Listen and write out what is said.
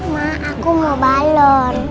ma aku mau balon